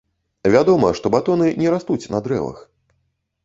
Вядома, што батоны не растуць на дрэвах.